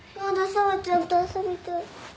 紗和ちゃんと遊びたい。